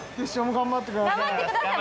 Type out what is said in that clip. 頑張ってください。